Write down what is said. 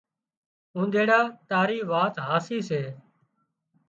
اونۮيڙا تاري وات هاسي سي